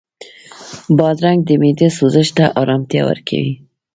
بادرنګ د معدې سوزش ته ارامتیا ورکوي.